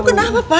kamu kenapa pak